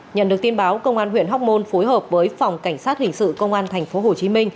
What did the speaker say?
nhận được tin báo công an huyện hóc môn phối hợp với phòng cảnh sát hình sự công an tp hcm